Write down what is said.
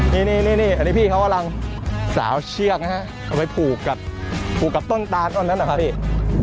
นี่นี่พี่เขาก็จะเราั้งสาวเชือกนะครับเอาไปผูกกับผูกกับต้นตานขนะนะครับเนี่ย